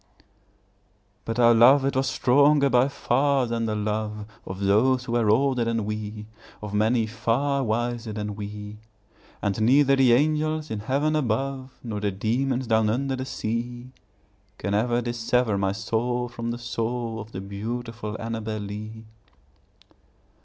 But our love it was stronger by far than the love Of those who were older than we, Of many far wiser than we; And neither the angels in heaven above, Nor the demons down under the sea, Can ever dissever my soul from the soul Of the beautiful Annabel Lee.